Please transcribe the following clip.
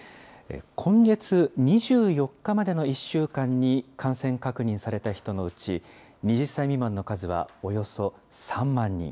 今月２４日までの１週間に感染確認された人のうち、２０歳未満の数はおよそ３万人。